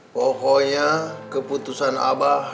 pokoknya keputusan abah